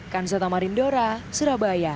kansata marindora surabaya